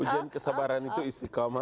ujian kesabaran itu istikamah